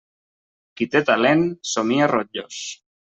Qui té talent, somia rotllos.